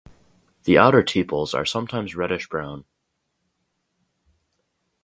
The outer tepals are sometimes reddish brown.